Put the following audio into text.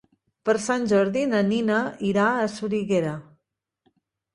Per Sant Jordi na Nina irà a Soriguera.